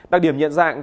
đặc điểm nhận dạng